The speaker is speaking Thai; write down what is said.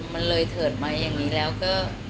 มันเลยเถิดมาอย่างนี้แล้วก็